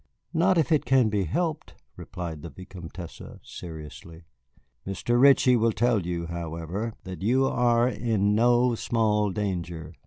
"Not if it can be helped," replied the Vicomtesse, seriously. "Mr. Ritchie will tell you, however, that you are in no small danger.